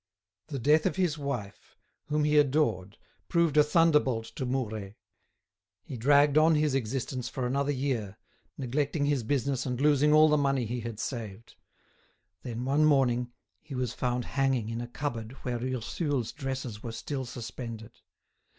The death of his wife, whom he adored, proved a thunderbolt to Mouret. He dragged on his existence for another year, neglecting his business and losing all the money he had saved. Then, one morning, he was found hanging in a cupboard where Ursule's dresses were still suspended.